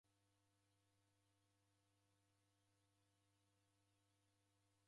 Malagho mengi ghadungwa na kutumilwa ni w'andu w'atini.